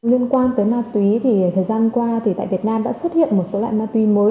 liên quan tới ma túy thì thời gian qua thì tại việt nam đã xuất hiện một số loại ma túy mới